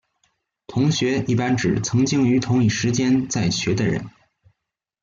同学一般指曾经于同一时间在学的人。